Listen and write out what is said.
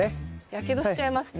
やけどしちゃいますね。